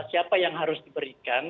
siapa yang harus diberikan